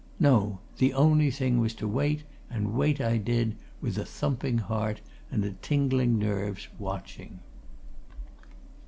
No the only thing was to wait, and wait I did, with a thumping heart and tingling nerves, watching.